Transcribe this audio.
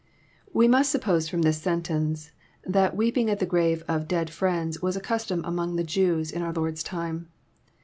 '] We Diust suppose from this sentence, ths: weeping at the grave of dead Arieuds was a custom amoig the Jews in our Lord^s time.